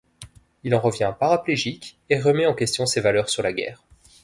Il en revient paraplégique et remet en question ses valeurs sur la guerre.